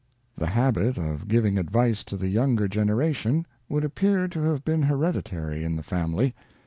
The habit of giving advice to the younger generation would appear to have been hereditary in the family.